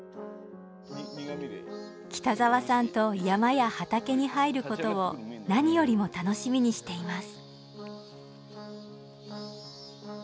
北沢さんと山や畑に入ることを何よりも楽しみにしています。